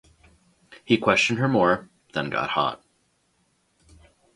He questioned her more, then got hot.